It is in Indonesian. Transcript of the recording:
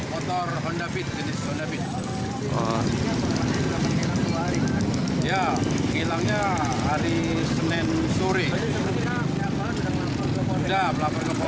motor honda beat jadi sudah bisa hilangnya hari senin sore